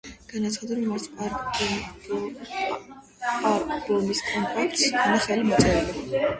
განაცხადა რომ არც პარკ ბომის კონტრაქტს ჰქონდა ხელი მოწერილი.